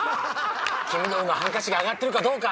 黄緑のハンカチが上がってるかどうか。